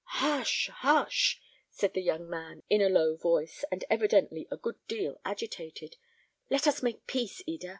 "Hush, hush!" said the young man, in a low voice, and evidently a good deal agitated; "let us make peace, Eda."